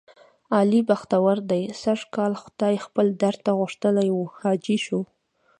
علي بختور دی سږ کال خدای خپل درته غوښتلی و. حاجي شو،